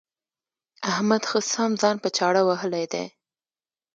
احمد ښه سم ځان په چاړه وهلی دی.